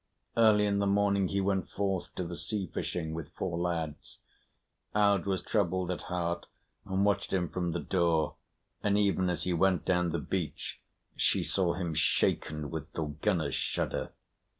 Early in the morning he went forth to the sea fishing with four lads. Aud was troubled at heart and watched him from the door, and even as he went down the beach she saw him shaken with Thorgunna's shudder.